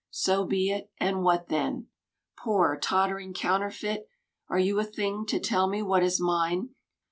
So be it, and what then? Poor, tottering counterfeit, Are you a thing to tell me what is mine?